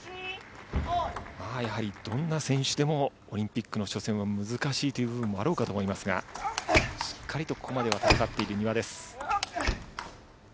やはりどんな選手でも、オリンピックの初戦は難しいという部分もあろうかと思いますが、しっかりとここまでは戦っている丹羽です。